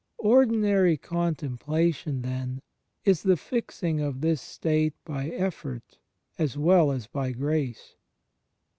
Ordinary Contemplation, then, is the fixing of this state by effort as well as by grace.